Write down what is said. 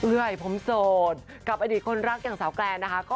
เรื่อยผมโสดกับอดีตคนรักอย่างสาวแกรนนะคะ